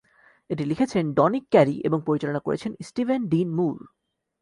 এটি লিখেছেন Donic carry এবং পরিচালনা করেছেন স্টিভেন ডিন মুর।